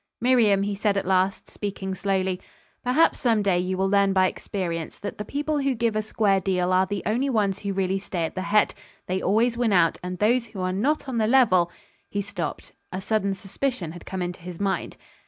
"Miriam," he said at last, speaking slowly, "perhaps, some day, you will learn by experience that the people who give a square deal are the only ones who really stay at the head. They always win out; and those who are not on the level " He stopped. A sudden suspicion had come into his mind.